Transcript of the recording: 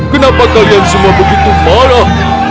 kenapa kalian semua begitu marah